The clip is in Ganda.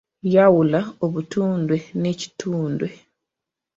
Yawula obutundwe n'ekitundwe?